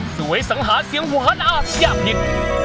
สวยสังหาศ์เสียงหัวฮันอาชีาพิษ